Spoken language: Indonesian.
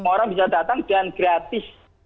orang bisa datang dan gratis